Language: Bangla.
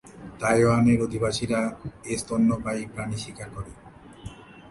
তাইওয়ানের অধিবাসীরা এ স্তন্যপায়ী প্রাণী শিকার করে।